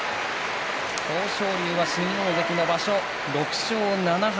豊昇龍は新大関の場所６勝７敗。